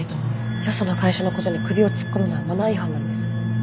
よその会社のことに首を突っ込むのはマナー違反なんです。